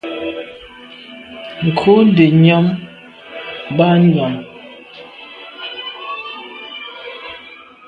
Nkù nde njam ba nyàm.